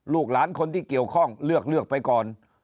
ลูกหลานคนที่เกี่ยวข้องเลือกไปก่อน